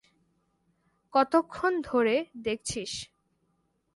কতক্ষণ ধরে দেখছিস?